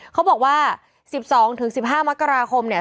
เขาบอกว่า๑๒๑๕มกราคมเนี่ย